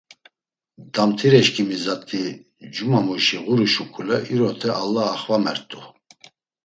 Damtireşǩimi zat̆i cumamuşi ğuru şuǩule iroteşa Alla axvamert̆u.